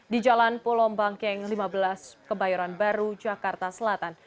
di jalan pulau bangkeng lima belas kebayoran baru jakarta selatan